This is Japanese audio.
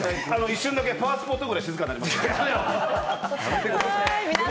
一瞬だけパワースポットぐらい静かになりました。